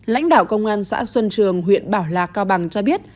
lãnh đạo công an xã xuân trường huyện bảo lạc cao bằng cho biết